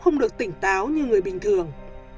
không được tỉnh táo như người bình thường